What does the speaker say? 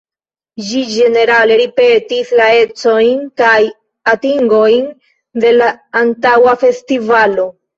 Ĝi ĝenerale ripetis la ecojn kaj atingojn de la antaŭa festivalo.